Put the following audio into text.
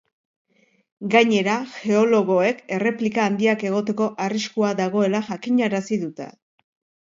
Gainera, geologoek erreplika handiak egoteko arriskua dagoela jakinarazi dute.